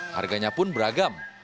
harganya pun beragam